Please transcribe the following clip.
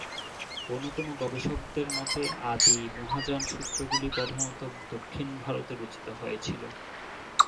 কোনো কোনো গবেষকদের মতে, আদি মহাযান সূত্রগুলি প্রধানত দক্ষিণ ভারতে রচিত হয়েছিল।